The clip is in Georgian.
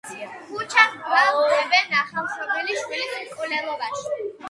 ქუჩეს ბრალს დებენ ახალშობილი შვილის მკვლელობაში.